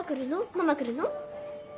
ママ来るの？